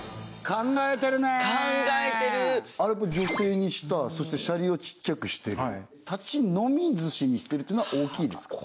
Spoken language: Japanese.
考えてるあれやっぱり女性にしたそしてシャリをちっちゃくしてる立ち飲み寿司にしてるというのは大きいですか？